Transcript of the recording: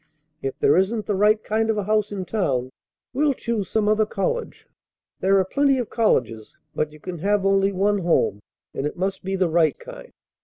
If there isn't the right kind of a house in town, we'll choose some other college. There are plenty of colleges, but you can have only one home, and it must be the right kind.